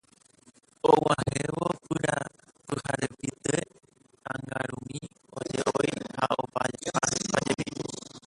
Og̃uahẽvo pyharepyte angirũmi oje'ói ha opa pajemi